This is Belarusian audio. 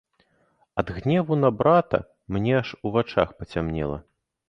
Ад гневу на брата мне аж у вачах пацямнела.